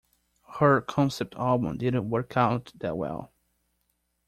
Her concept album didn't work out that well.